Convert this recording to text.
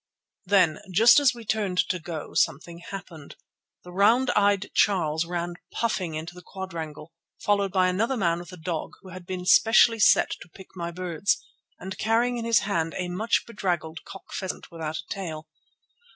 Then, just as we turned to go, something happened. The round eyed Charles ran puffing into the quadrangle, followed by another man with a dog, who had been specially set to pick my birds, and carrying in his hand a much bedraggled cock pheasant without a tail.